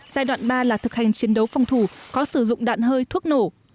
giai đoạn ba là thực hành chiến đấu phòng thủ có sử dụng đạn hơi thuốc nổ